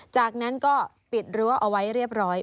จากนั้นก็ปิดรั้วเอาไว้เรียบร้อย